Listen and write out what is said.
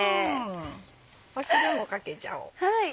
汁もかけちゃおう。